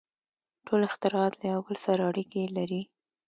• ټول اختراعات له یو بل سره اړیکې لري.